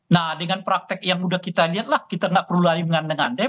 nah dengan praktek yang udah kita lihat lah kita nggak perlu lari mengandang andang